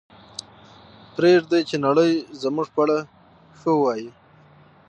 پرېږدئ چې نړۍ زموږ په اړه ښه ووایي.